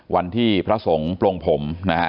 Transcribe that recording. วันที่พระสงฆ์โปรงผม